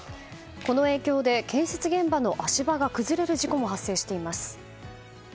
この影響で建設現場の足場が崩れる事故も発生しています。